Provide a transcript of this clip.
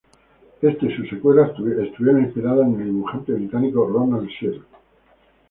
Esta y su secuelas estuvieron inspiradas en el dibujante británico Ronald Searle.